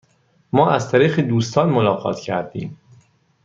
ما از طریق دوستان ملاقات کردیم.